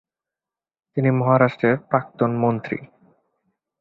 তিনি মহারাষ্ট্রের প্রাক্তন মন্ত্রী।